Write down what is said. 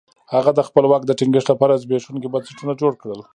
هغه د خپل واک د ټینګښت لپاره زبېښونکي بنسټونه جوړ کړل.